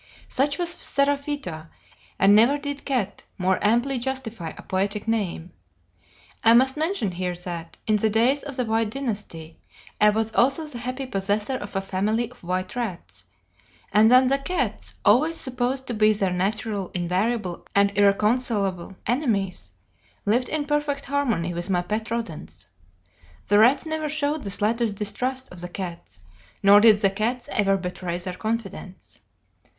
Such was Seraphita, and never did cat more amply justify a poetic name. I must mention here that, in the days of the White Dynasty, I was also the happy possessor of a family of white rats, and that the cats, always supposed to be their natural, invariable, and irreconcilable enemies, lived in perfect harmony with my pet rodents. The rats never showed the slightest distrust of the cats, nor did the cats ever betray their confidence.